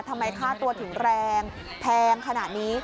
ทำไมฆ่าตัวถึงแรงแพงขนาดนี้